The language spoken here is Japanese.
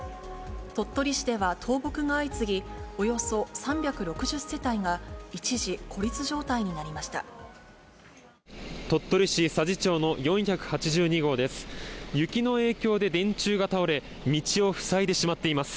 鳥取市では倒木が相次ぎ、およそ３６０世帯が、鳥取市佐治町の４８２号です。